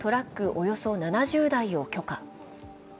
およそ７０台を許可。